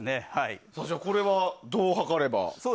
じゃあ、これはどう測れば？